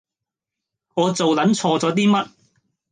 我做撚錯咗啲乜